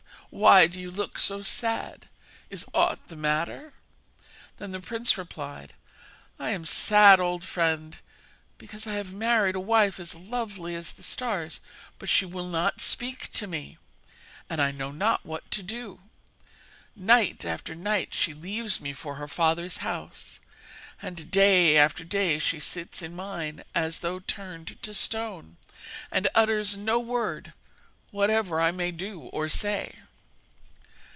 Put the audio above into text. why do you look so sad is aught the matter?' Then the prince replied, 'I am sad, old friend, because I have married a wife as lovely as the stars, but she will not speak to me, and I know not what to do. Night after night she leaves me for her father's house, and day after day she sits in mine as though turned to stone, and utters no word, whatever I may do or say.'